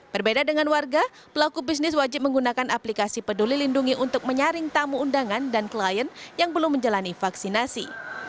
berbeda dengan warga pelaku bisnis wajib menggunakan aplikasi peduli lindungi untuk menyaring tamu undangan dan klien yang belum menjalani vaksinasi